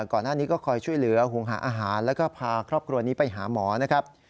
ก่อนหน้านี้ก็คอยช่วยเหลือหุงหาอาหารแล้วก็พาครอบครัวนี้ไปหาหมอนะครับ